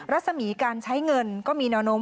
รัศมีการใช้เงินก็มีแนวโน้ม